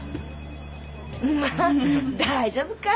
まあ大丈夫か。